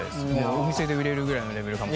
お店で売れるぐらいのレベルかも。